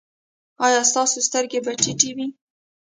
ایا ستاسو سترګې به ټیټې وي؟